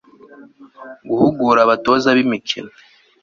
guhugura abatoza b'imikino